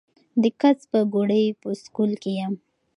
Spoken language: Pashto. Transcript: د کڅ پاګوړۍ پۀ سکول کښې يم